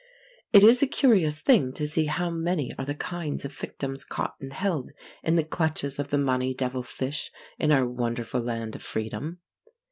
It is a curious thing to see how many are the kinds of victims caught and held in the clutches of the money devil fish in our wonderful land of freedom.